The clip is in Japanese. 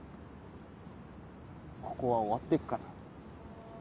ここは終わってっから。